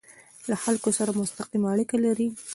له خلکو سره مستقیمه اړیکه لري.